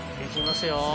行きますよ。